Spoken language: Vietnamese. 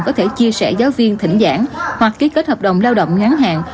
có thể chia sẻ giáo viên thỉnh giảng hoặc ký kết hợp đồng lao động ngắn hạn